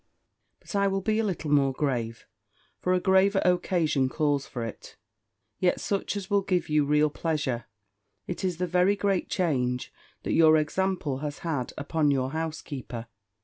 "But I will be a little more grave; for a graver occasion calls for it, yet such as will give you real pleasure. It is the very great change that your example has had upon your housekeeper.